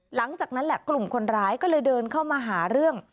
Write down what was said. หลังจากนั้นแหละกลุ่มคนร้ายก็เลยเดินเข้ามาหาเรื่อง